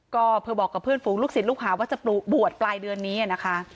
ก็เธอบอกกับเพื่อนฝูงลูกศิษย์ลูกหาว่าจะบวชปลายเดือนนี้นะคะ